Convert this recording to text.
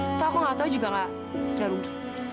itu aku gak tau juga gak rugi